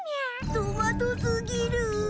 トマトすぎる！